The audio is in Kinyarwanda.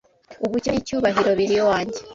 Ubukire n’icyubahiro biri iwanjye